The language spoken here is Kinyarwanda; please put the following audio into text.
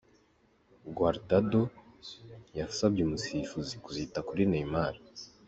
Guardado yasabye umusifuzi kuzita kuri Neymar.